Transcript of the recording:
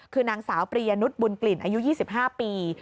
คือนางสาวปริยนุษย์บุญกลิ่นอายุ๒๕ปี